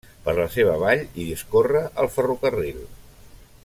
Per la seva vall hi discorre el ferrocarril.